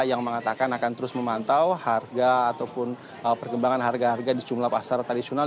yang mengatakan akan terus memantau harga ataupun perkembangan harga harga di jumlah pasar tradisional